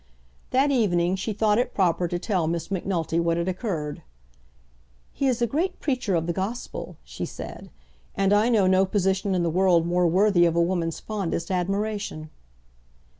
That evening she thought it proper to tell Miss Macnulty what had occurred. "He is a great preacher of the gospel," she said, "and I know no position in the world more worthy of a woman's fondest admiration."